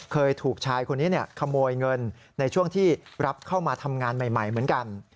เคยถูกชายคนนี้ขโมยเงินในช่วงที่รับเข้ามาทำงานใหม่เหมือนกัน